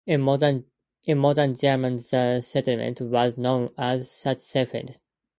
In modern German the settlement was known as "Sachsenfeld".